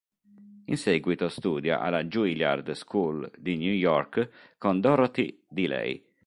In seguito studia alla Juilliard School di New York con Dorothy DeLay.